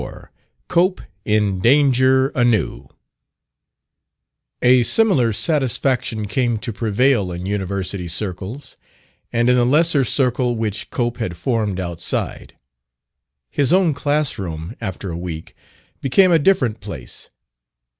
24 COPE IN DANGER ANEW A similar satisfaction came to prevail in University circles, and in the lesser circle which Cope had formed outside. His own classroom, after a week, became a different place.